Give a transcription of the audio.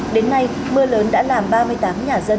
đến nay mưa lớn đã làm ba mươi tám nhà dân